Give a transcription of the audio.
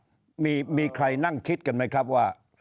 มีใครนั่งคิดกันไหมครับว่า